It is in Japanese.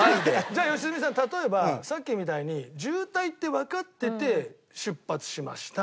じゃあ良純さん例えばさっきみたいに渋滞ってわかってて出発しました。